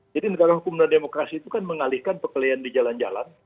jadi negara hukum dan demokrasi itu kan mengalihkan pekelian di jalan jalan